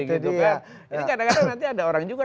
ini kadang kadang nanti ada orang juga